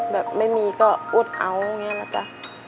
แบบไม่มีก็อุดเอาอย่างนี้นะจ๊ะ